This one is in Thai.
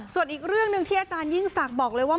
ส่วนอีกเรื่องหนึ่งที่อาจารยิ่งศักดิ์บอกเลยว่า